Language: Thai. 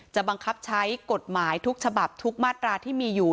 บังคับใช้กฎหมายทุกฉบับทุกมาตราที่มีอยู่